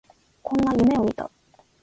こんな夢を見た